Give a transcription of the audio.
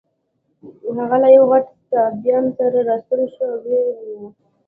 هغه له یوه غټ سایبان سره راستون شو او ویې نیو.